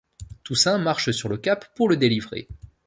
Toussaint marche sur le Cap pour le délivrer.